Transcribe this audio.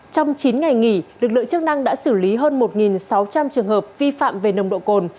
trong chín ngày nghỉ lực lượng chức năng đã xử lý hơn một sáu trăm linh trường hợp vi phạm về nồng độ cồn